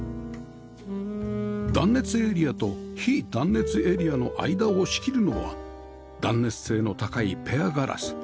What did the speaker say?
断熱エリアと非断熱エリアの間を仕切るのは断熱性の高いペアガラス